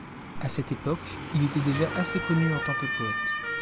À cette époque il était déjà assez connu en tant que poète.